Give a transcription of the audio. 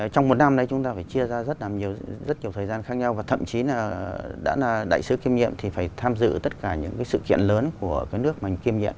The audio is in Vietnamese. trong một năm đấy chúng ta phải chia ra rất nhiều thời gian khác nhau và thậm chí là đã là đại sứ kiêm nhiệm thì phải tham dự tất cả những cái sự kiện lớn của cái nước mình kiêm nhiệm